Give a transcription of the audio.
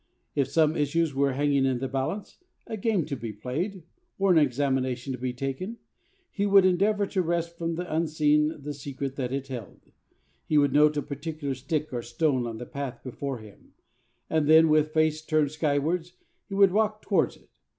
If some issue were hanging in the balance a game to be played, or an examination to be taken he would endeavour to wrest from the unseen the secret that it held. He would note a particular stick or stone on the path before him; and then, with face turned skywards, he would walk towards it.